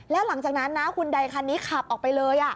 แล้วหลังจากนั้นนะคุณใดคันนี้ขับออกไปเลย